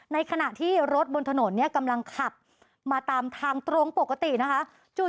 ในขณะที่รถบนถนนเนี่ยกำลังขับมาตามทางตรงปกตินะคะ